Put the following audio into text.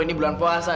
ini bulan puasa